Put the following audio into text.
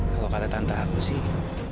kalau kata tante aku sih